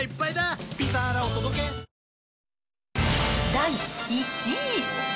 第１位。